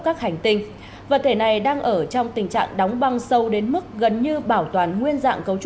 các hành tinh vật thể này đang ở trong tình trạng đóng băng sâu đến mức gần như bảo toàn nguyên dạng cấu